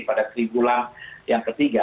pada tribulan yang ketiga